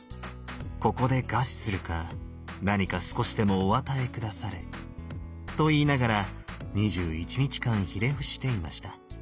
「ここで餓死するか何か少しでもお与え下され」と言いながら２１日間ひれ伏していました。